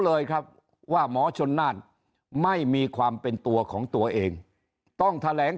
เลยครับว่าหมอชนน่านไม่มีความเป็นตัวของตัวเองต้องแถลง